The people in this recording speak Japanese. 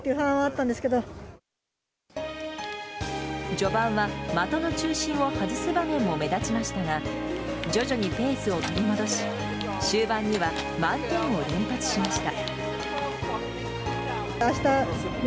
序盤は的の中心を外す場面も目立ちましたが徐々にペースを取り戻し終盤には満点を連発しました。